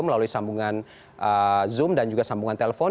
melalui sambungan zoom dan juga sambungan telepon